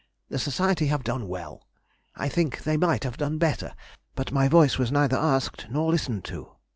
The Society have done well. I think they might have done better, but my voice was neither asked nor listened to.